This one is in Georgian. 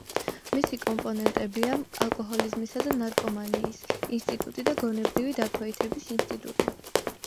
მისი კომპონენტებია ალკოჰოლიზმისა და ნარკომანიის ინსტიტუტი და გონებრივი დაქვეითების ინსტიტუტი.